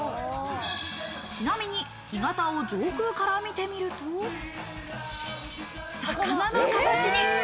ちなみに干潟を上空から見てみると、魚の形に。